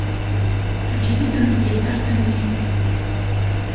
Teɛjeb-iten tgiṭart-nni.